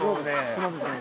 すいません